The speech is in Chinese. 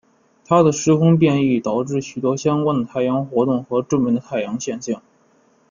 他的时空变异导致许多相关的太阳活动和着名的太阳现象。